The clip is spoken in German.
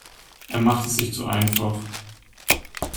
Er macht es sich zu einfach.